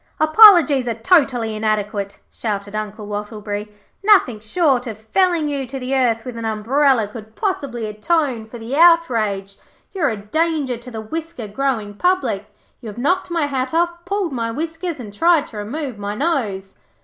'Apologies are totally inadequate,' shouted Uncle Wattleberry. 'Nothing short of felling you to the earth with an umbrella could possibly atone for the outrage. You are a danger to the whisker growing public. You have knocked my hat off, pulled my whiskers, and tried to remove my nose.'